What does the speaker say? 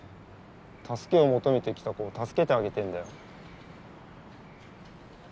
助けを求めてきた子を助けてあげてんだよ。